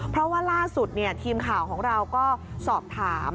เพราะว่าล่าสุดทีมข่าวของเราก็สอบถาม